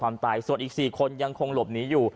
ไม่ครับ